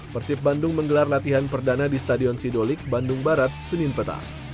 persib bandung menggelar latihan perdana di stadion sidolik bandung barat senin petang